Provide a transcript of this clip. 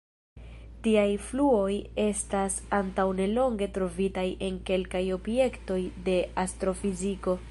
Tiaj fluoj estas antaŭnelonge trovitaj en kelkaj objektoj de astrofiziko.